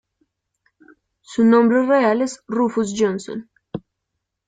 Su nombre real es Rufus Johnson.